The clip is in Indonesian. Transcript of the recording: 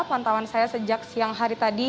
pantauan saya sejak siang hari tadi